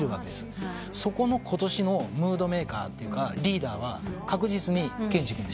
そこのことしのムードメーカーというかリーダーは確実に建志君でした。